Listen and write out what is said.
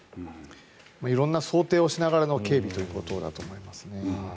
色んな想定をしながらの警備ということだと思いますね。